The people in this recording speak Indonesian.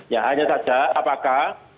ya hanya saja apakah